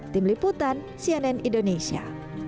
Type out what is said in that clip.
tim liputan cnn indonesia